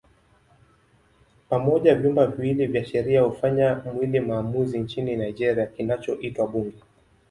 Pamoja vyumba viwili vya sheria hufanya mwili maamuzi nchini Nigeria kinachoitwa Bunge.